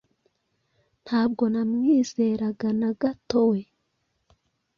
Ntabwo namwizeraga na gatoWe